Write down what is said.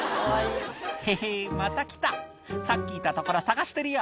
「ヘヘまた来たさっきいた所探してるよ」